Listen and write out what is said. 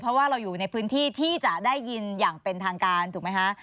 เพราะว่าเราอยู่ในพื้นที่ที่จะได้ยินอย่างเป็นทางการถูกไหมคะ